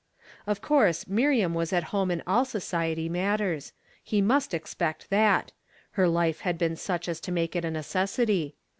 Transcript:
Of course Miriam was at home in all society matters. He must expect that; her life liad been such as to make it a necessity.